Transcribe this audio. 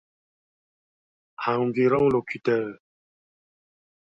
Environ locuteurs.